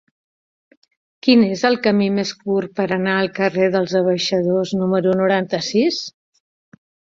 Quin és el camí més curt per anar al carrer dels Abaixadors número noranta-sis?